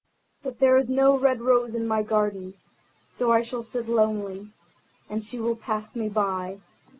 But there is no red rose in my garden, so I shall sit lonely, and she will pass me by.